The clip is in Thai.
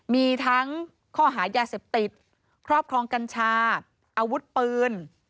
มีทั้งข้อหายาเสพติดครอบครองกัญชาอาวุธปืน